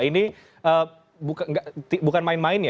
ini bukan main main ya